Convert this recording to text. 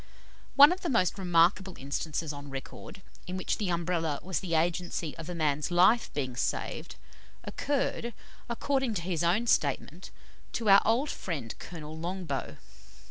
One of the most remarkable instances on record, in which the Umbrella was the agency of a man's life being saved, occurred, according to his own statement, to our old friend Colonel Longbow.